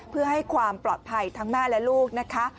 เพื่อให้ความปลอดภัยทั้งแม่และลูกนะคะ